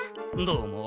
どうも。